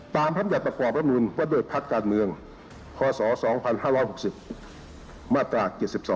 ตามธรรมยาตรประกอบและมูลว่าโดยพักการเมืองข้อ๒๕๖๐มาตรา๗๒